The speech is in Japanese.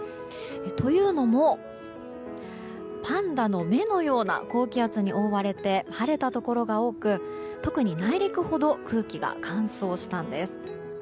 というのも、パンダの目のような高気圧に覆われて晴れたところが多く特に内陸ほど空気が乾燥したんです。